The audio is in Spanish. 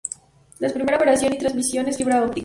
La primera operación y transmisión en fibra óptica.